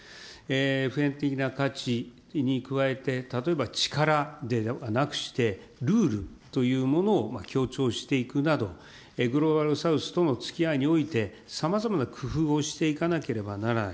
普遍的な価値に加えて、例えば力ではなくして、ルールというものを強調していくなど、グローバル・サウスとのつきあいにおいて、さまざまな工夫をしていかなければならない。